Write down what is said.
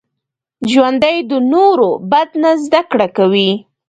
ژوندي د نورو بد نه زده کړه کوي